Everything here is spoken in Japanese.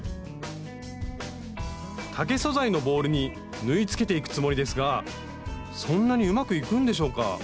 竹素材のボールに縫いつけていくつもりですがそんなにうまくいくんでしょうか？